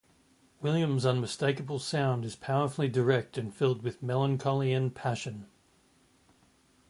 Williams's unmistakable sound is powerfully direct and filled with melancholy and passion.